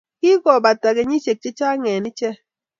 Kikakopata kenyisiek chechang eng ichek